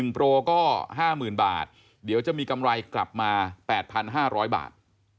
โปรก็๕๐๐๐บาทเดี๋ยวจะมีกำไรกลับมา๘๕๐๐บาท